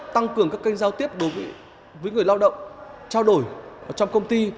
tăng cường các kênh giao tiếp với người lao động trao đổi trong công ty